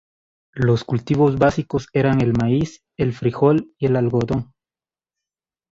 Los cultivos básicos eran el maíz, el frijol y el algodón.